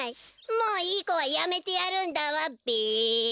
もういいこはやめてやるんだわべ！